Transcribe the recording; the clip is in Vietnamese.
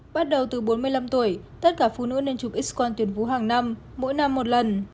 bắt đầu từ bốn mươi năm tuổi tất cả phụ nữ nên chụp x quang tuyến vú hàng năm mỗi năm một lần